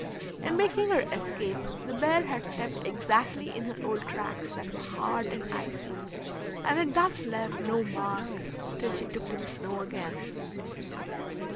In making her escape the bear had stepped exactly in her old tracks that were hard and icy, and had thus left no mark till she took to the snow again.